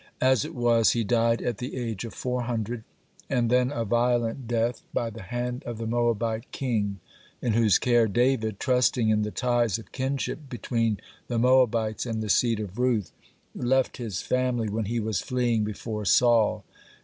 As it was, he died at the age of four hundred, (8) and then a violent death, by the hand of the Moabite king, (9) in whose care David, trusting in the ties of kinship between the Moabites and the seed of Ruth, left his family when he was fleeing before Saul.